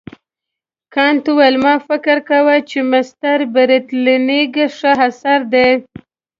کانت وویل ما فکر کاوه چې مسټر برېټلنیګ ښه اثر دی.